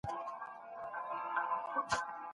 پوهه د جهالت تيارې له منځه وړي.